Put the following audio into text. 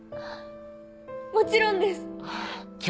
もちろんです！